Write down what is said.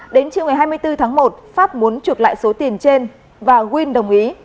đến chiều ngày hai mươi bốn tháng một pháp muốn chuột lại số tiền trên và win đồng ý